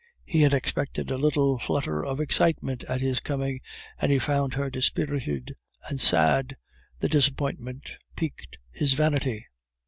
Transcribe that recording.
He had expected a little flutter of excitement at his coming, and he found her dispirited and sad. The disappointment piqued his vanity.